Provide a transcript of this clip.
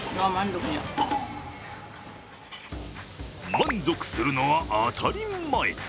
満足するのは、当たり前。